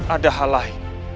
ada hal lain